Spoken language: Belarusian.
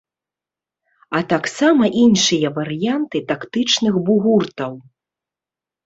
А таксама іншыя варыянты тактычных бугуртаў.